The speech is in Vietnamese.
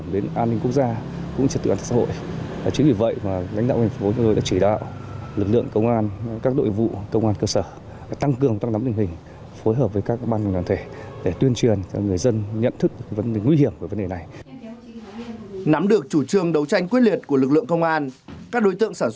nắm được chủ trương đấu tranh quyết liệt của lực lượng công an các đối tượng sản xuất pháo nổ tự chế liên tục thay đổi phương thức thủ đoạn